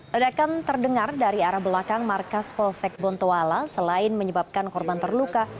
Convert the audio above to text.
ledakan terdengar dari arah belakang markas polsek bontoala selain menyebabkan korban terluka